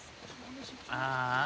ああ。